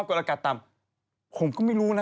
แล้วมีกฎอากาศต่ำผมก็ไม่รู้นะ